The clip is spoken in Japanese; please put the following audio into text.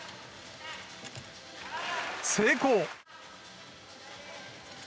成功！